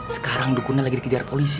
sekarang dukunnya lagi dikejar polisi